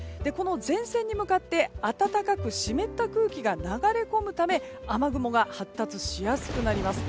前線に向かって暖かく湿った空気が流れ込むため雨雲が発達しやすくなります。